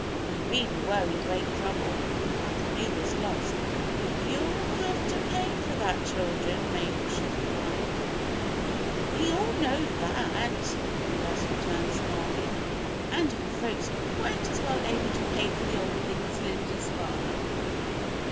"We really were in great trouble. Our canoe was lost " "You'll have to pay for that, children," Mabel Schiff cried. "We know all that!" Bess returned smartly. "And our folks are quite as well able to pay for the old thing as Linda's father."